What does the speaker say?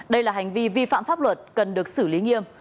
đây là hành vi vi phạm pháp luật cần được xử lý nghiêm